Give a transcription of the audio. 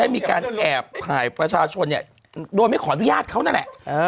มีการแอบถ่ายประชาชนเนี่ยโดยไม่ขออนุญาตเขานั่นแหละ